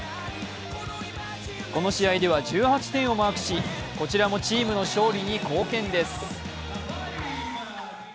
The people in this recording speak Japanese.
この試合では１８点をマークしこちらもチームの勝利に貢献です。